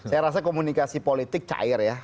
saya rasa komunikasi politik cair ya